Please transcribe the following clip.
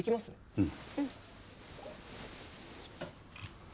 うん。